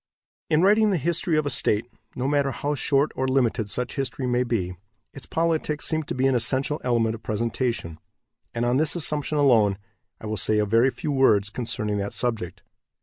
In writing the history of a state, no matter how short or limited such history may be, its politics seem to be an essential element of presentation, and, on this assumption alone, I will say a very few words concerning that subject.